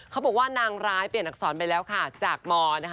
เขาบอกว่านางร้ายเปลี่ยนอักษรไปแล้วค่ะจากมนะคะ